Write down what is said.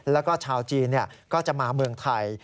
แล้วก็ชาวจีนก็จะมาเมืองไทย